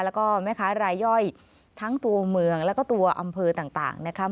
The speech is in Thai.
แล้วก็แม่ค้ารายย่อยทั้งตัวเมืองแล้วก็ตัวอำเภอต่างนะครับ